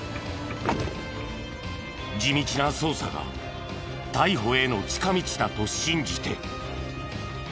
地道な捜査が逮捕への近道だと信じて。